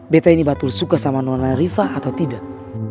betta ini batul suka sama nona riva atau tidak